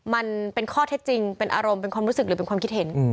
มันเป็นข้อเท็จจริงเป็นอารมณ์เป็นความรู้สึกหรือเป็นความคิดเห็น